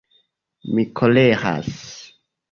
Mi koleras.